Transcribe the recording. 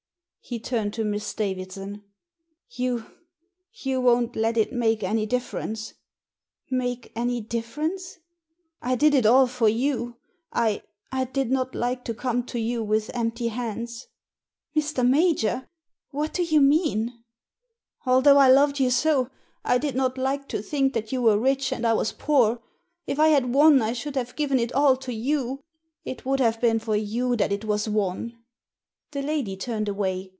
He turned to Miss Davidson. You — ^you won't let it make any difference ?"" Make any difference ?'*" I did it all for you. I — I did not like to come to you with empty hands." " Mr. Major ! What do you mean ?"" Although I loved you so, I did not like to think that you were rich and I was poor. If I had won I should have given it all to you — it would have been for you that it was won." The lady turned away.